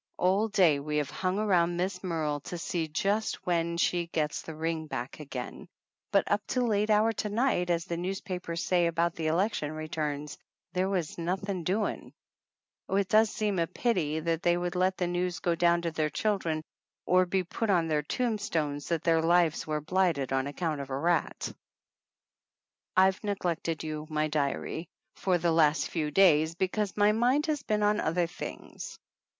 All day we have hung around Miss Merle to see just when she gets the ring back again, but up to a late hour to night, as the newspapers say about the election returns, there was nothing doing. Oh, it does seem a pity that they would let the news go down to their children or be put on their tombstones that their lives were blighted on account of a rat ! 195 THE ANNALS OF ANN I've neglected you, my diary, for the last few days because my mind has been on other things.